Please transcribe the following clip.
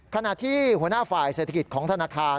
ขณะที่หัวหน้าฝ่ายเศรษฐกิจของธนาคาร